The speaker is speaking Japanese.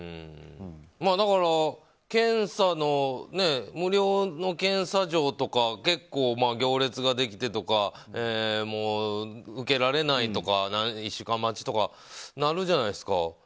だから、無料の検査場とか結構行列ができてとか受けられないとか１週間待ちとかになるじゃないですか。